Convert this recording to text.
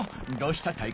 どうした？